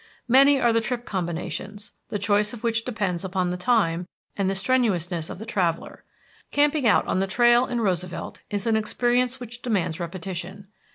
Many are the trip combinations, the choice of which depends upon the time and the strenuousness of the traveller. Camping out on trail in Roosevelt is an experience which demands repetition.